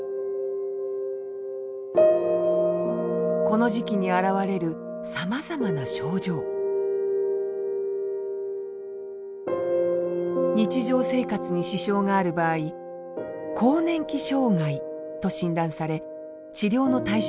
この時期にあらわれるさまざまな症状日常生活に支障がある場合更年期障害と診断され治療の対象になります